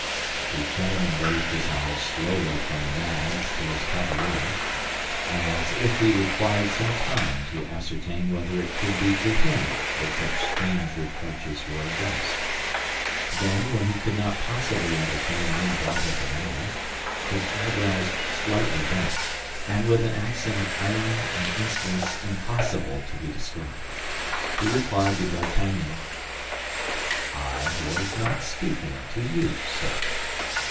The gentleman raised his eyes slowly from the nag to his cavalier, as if he required some time to ascertain whether it could be to him that such strange reproaches were addressed; then, when he could not possibly entertain any doubt of the matter, his eyebrows slightly bent, and with an accent of irony and insolence impossible to be described, he replied to D'Artagnan, "I was not speaking to you, sir."